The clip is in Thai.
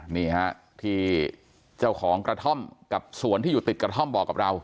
นี่ฮะที่เจ้าของกระท่อมกับสวนที่อยู่ติดกระท่อมบอกกับเรา